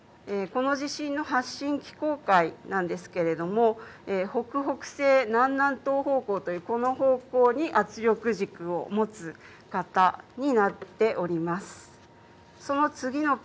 この地震の発震機構解なんですけども、北北西、南南東方向という、この方向に圧力軸を持つ型になっております。